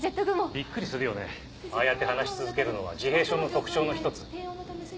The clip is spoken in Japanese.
ビックリするよねああやって話し続けるのは自閉症の特徴の一つ。